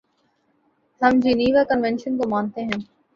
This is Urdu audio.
ہم جنیوا کنونشنز کو مانتے ہیں۔